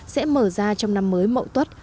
sẽ mở ra trong năm mới mậu tuất